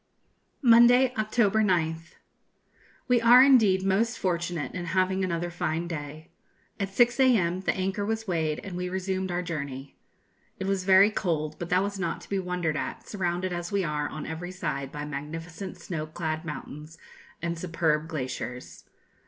Monday, October 9th. We are indeed most fortunate in having another fine day. At 6 a.m. the anchor was weighed, and we resumed our journey. It was very cold; but that was not to be wondered at, surrounded as we are on every side by magnificent snow clad mountains and superb glaciers.